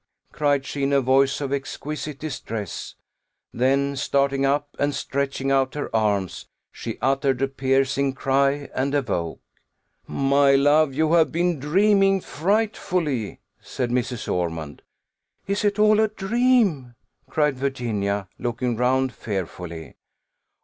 cried she, in a voice of exquisite distress: then starting up, and stretching out her arms, she uttered a piercing cry, and awoke. "My love, you have been dreaming frightfully," said Mrs. Ormond. "Is it all a dream?" cried Virginia, looking round fearfully.